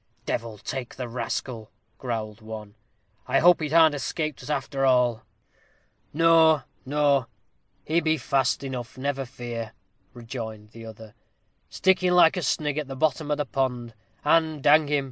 "Devil take the rascal!" growled one; "I hope he harn't escaped us, arter all." "Noa, noa, he be fast enough, never fear," rejoined the other; "sticking like a snig at the bottom o' the pond; and, dang him!